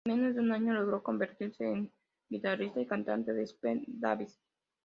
En menos de un año logró convertirse en guitarrista y cantante de Spencer Davis.